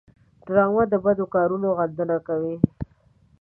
ډرامه د بدو کارونو غندنه کوي